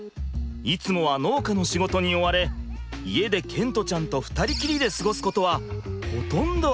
いつもは農家の仕事に追われ家で賢澄ちゃんと２人きりで過ごすことはほとんどありません。